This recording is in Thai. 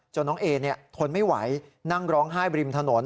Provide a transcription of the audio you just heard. น้องเอทนไม่ไหวนั่งร้องไห้บริมถนน